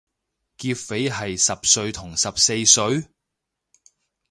劫匪係十歲同十四歲？